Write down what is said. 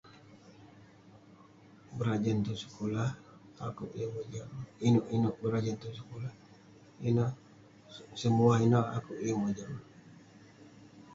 Berajan tong sekulah, akouk yeng mojam..inouk berajan tong sekulah, ineh..semua ineu akouk yeng mojam..